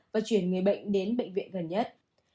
và chuyển người bệnh đến bệnh viện gần nhất